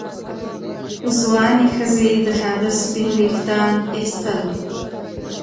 ځوانې ښځې د هغه سپین ویښتان ایستل.